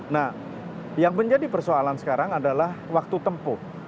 nah yang menjadi persoalan sekarang adalah waktu tempuh